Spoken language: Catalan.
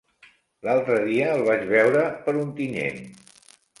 L'altre dia el vaig veure per Ontinyent.